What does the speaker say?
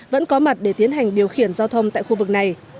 vẫn có mặt để tiến hành điều khiển giao thông tại khu vực này